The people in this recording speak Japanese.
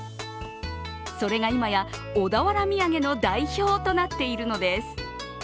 それが今や、小田原土産の代表となっているのです。